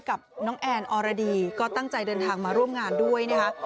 กับน้องแอนอรดีก็ตั้งใจเดินทางมาร่วมงานด้วยนะคะ